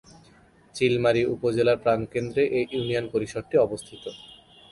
চিলমারী উপজেলার প্রাণকেন্দ্রে এ ইউনিয়ন পরিষদটি অবস্থিত।